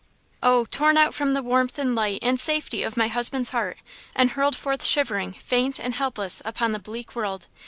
Oh, torn out from the warmth and light and safety of my husband's heart, and hurled forth shivering, faint and helpless upon the bleak world!